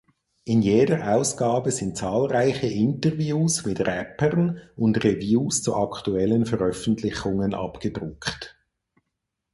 In jeder Ausgabe sind zahlreiche Interviews mit Rappern und Reviews zu aktuellen Veröffentlichungen abgedruckt.